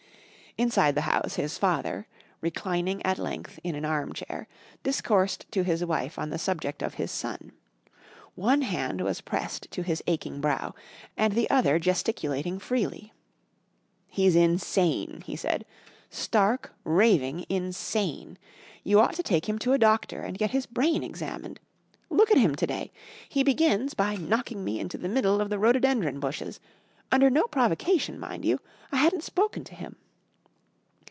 Inside the house, his father, reclining at length in an armchair, discoursed to his wife on the subject of his son. One hand was pressed to his aching brow, and the other gesticulating freely. "He's insane," he said, "stark, raving insane. You ought to take him to a doctor and get his brain examined. Look at him to day. He begins by knocking me into the middle of the rhododendron bushes under no provocation, mind you. I hadn't spoken to him.